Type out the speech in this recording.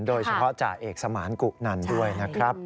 โดยเฉพาะจ่าเอกสมาร์นกรุ๊ปนั้นด้วยนะครับ